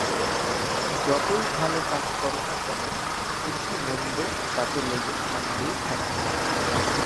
যতই ভাল কাজ কর না কেন, কিছু মন্দ তাতে লেগে থাকবেই থাকবে।